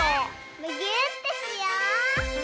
むぎゅーってしよう！